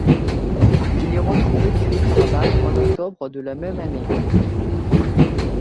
Il est retrouvé tué par balles en octobre de la même année.